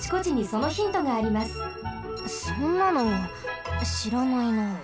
そんなのしらないなあ。